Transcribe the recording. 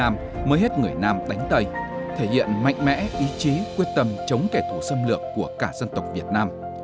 mới hết người nam đánh tây thể hiện mạnh mẽ ý chí quyết tâm chống kẻ thù xâm lược của cả dân tộc việt nam